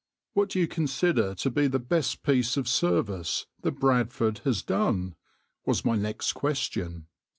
"\par "What do you consider to be the best piece of service the {\itshape{Bradford}} has done?" was my next question.